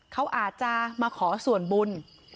เขาอาจจะมาขอส่วนบุญ